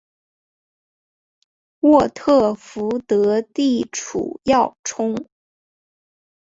沃特福德地处要冲。